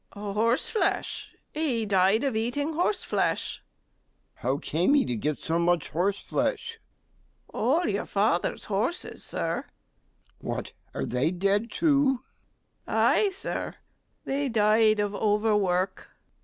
STEWARD. Horseflesh; he died of eating horseflesh. MR. G. How came he to get so much horseflesh? STEWARD. All your father's horses, Sir. MR. G. What! are they dead too? STEWARD. Ay, Sir; they died of over work.